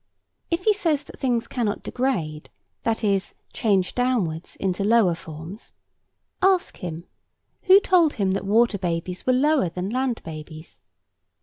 If he says that things cannot degrade, that is, change downwards into lower forms, ask him, who told him that water babies were lower than land babies?